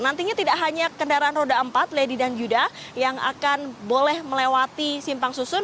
nantinya tidak hanya kendaraan roda empat lady dan yuda yang akan boleh melewati simpang susun